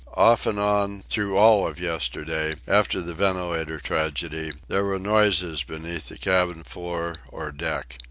Off and on, through all of yesterday, after the ventilator tragedy, there were noises beneath the cabin floor or deck.